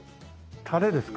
タレですか？